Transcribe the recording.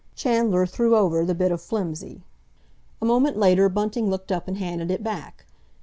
Chandler threw over the bit of flimsy. A moment later Bunting looked up and handed it back.